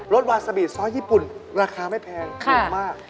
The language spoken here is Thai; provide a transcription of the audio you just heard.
สวาซาบีซอสญี่ปุ่นราคาไม่แพงถูกมาก